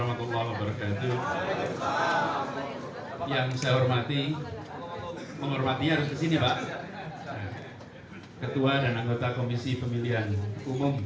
yang saya hormati menghormati harus kesini pak ketua dan anggota komisi pemilihan umum